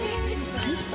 ミスト？